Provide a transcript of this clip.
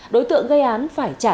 đối tượng gây án phải trả lời